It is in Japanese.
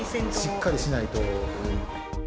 しっかりしないと。